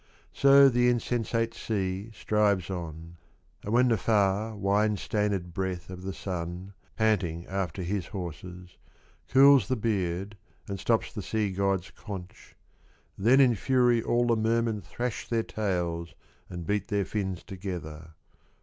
So the insensate sea strives on ; And when the far wine stained breath Of the Sun panting after his horses, Cools the beard and stops the sea god's conch — Then in fury all the mermen Thrash their tails and beat their fins together.